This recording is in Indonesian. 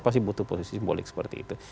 pasti butuh posisi simbolik seperti itu